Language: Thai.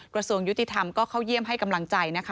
กระทรวงยุติธรรมก็เข้าเยี่ยมให้กำลังใจนะคะ